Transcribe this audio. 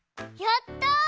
やった！